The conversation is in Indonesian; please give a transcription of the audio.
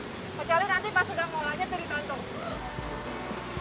kecuali nanti pas sudah mulanya diri kantong